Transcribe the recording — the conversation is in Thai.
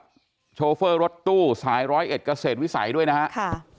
มีกับโชเฟอร์รถตู้สายร้อยเอ็ดเกษตรวิสัยด้วยนะครับ